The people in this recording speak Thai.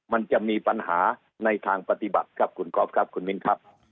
มันจะมีปัญหาในทางปฏิบัติครับคุณก๊อฟครับคุณมิ้นครับ